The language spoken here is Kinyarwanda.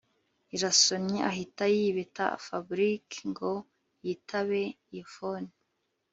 irasonye ahita yibeta Fabric ngo yitabe iyo phone